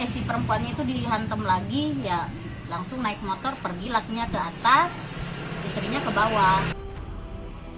si perempuannya itu dihantam lagi ya langsung naik motor pergi lakinya ke atas istrinya ke bawah